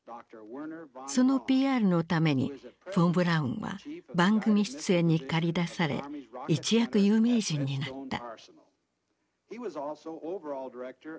そのＰＲのためにフォン・ブラウンは番組出演に駆り出され一躍有名人になった。